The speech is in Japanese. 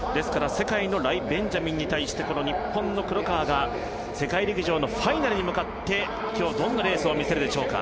世界のライ・ベンジャミンに対して日本の黒川が世界陸上のファイナルに向かって今日、どんなレースを見せるでしょうか。